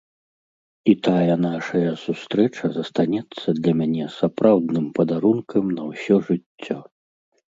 І тая нашая сустрэча застанецца для мяне сапраўдным падарункам на ўсё жыццё.